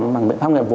bằng biện pháp liệt vụ